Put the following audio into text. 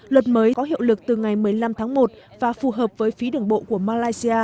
luật mới có hiệu lực từ ngày một mươi năm tháng một và phù hợp với phí đường bộ của malaysia